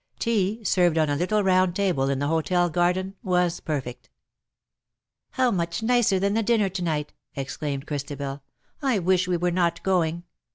Tea, served on a little round table in the hotel garden, was perfect. " How much nicer than the dinner to night/' exclaimed Christabel. " I wish we were not going.